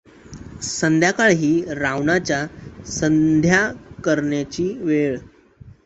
संध्याकाळ ही रावणाच्या संध्या करण्याची वेळ.